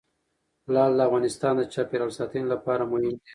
لعل د افغانستان د چاپیریال ساتنې لپاره مهم دي.